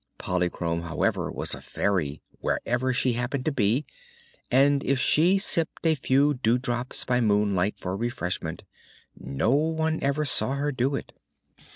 Polychrome, however, was a fairy wherever she happened to be, and if she sipped a few dewdrops by moonlight for refreshment no one ever saw her do it.